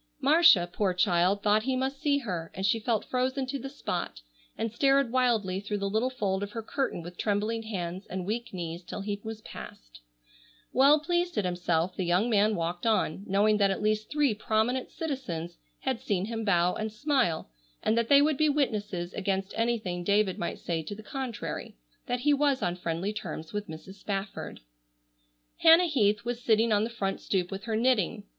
Marcia, poor child, thought he must see her, and she felt frozen to the spot, and stared wildly through the little fold of her curtain with trembling hands and weak knees till he was passed. Well pleased at himself the young man walked on, knowing that at least three prominent citizens had seen him bow and smile, and that they would be witnesses, against anything David might say to the contrary, that he was on friendly terms with Mrs. Spafford. Hannah Heath was sitting on the front stoop with her knitting.